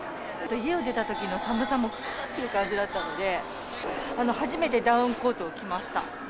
家を出たときの寒さも、うううって感じだったので、初めてダウンコートを着ました。